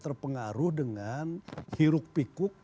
terpengaruh dengan hiruk pikuk